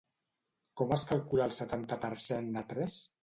Com es calcula el setanta per cent de tres?